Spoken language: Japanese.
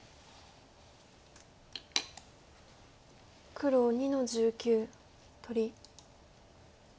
黒２の十九取り。